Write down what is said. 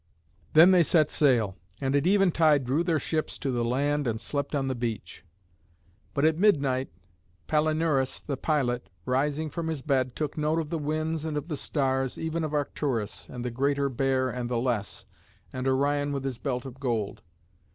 Then they set sail, and at eventide drew their ships to the land and slept on the beach. But at midnight Palinurus, the pilot, rising from his bed, took note of the winds and of the stars, even of Arcturus, and the Greater Bear and the Less, and Orion with his belt of gold.